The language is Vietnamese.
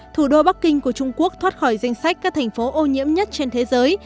thủ đô bắc kinh của trung quốc thoát khỏi danh sách các thành phố ô nhiễm nhất trên thế giới